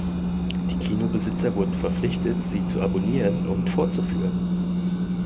Die Kinobesitzer wurden verpflichtet, sie zu abonnieren und vorzuführen.